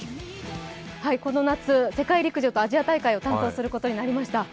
この夏、世界陸上とアジア大会を担当することになりました。